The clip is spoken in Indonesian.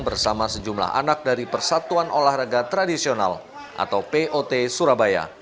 bersama sejumlah anak dari persatuan olahraga tradisional atau pot surabaya